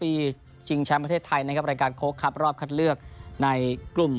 ชิงแชมป์ประเทศไทยนะครับรายการโค้กครับรอบคัดเลือกในกลุ่ม